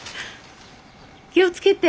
気を付けて。